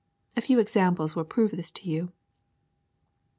A few examples will prove this to you.